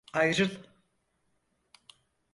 Ayrıl!